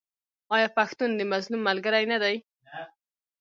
آیا پښتون د مظلوم ملګری نه دی؟